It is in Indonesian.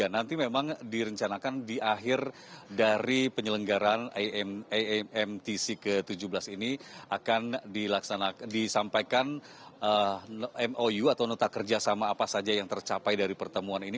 nanti memang direncanakan di akhir dari penyelenggaran amtc ke tujuh belas ini akan disampaikan mou atau nota kerjasama apa saja yang tercapai dari pertemuan ini